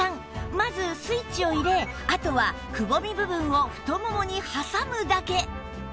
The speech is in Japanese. まずスイッチを入れあとはくぼみ部分を太ももに挟むだけ